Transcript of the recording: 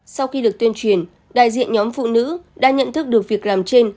sau khi được tuyên truyền đại diện nhóm phụ nữ đã nhận thức được việc làm trên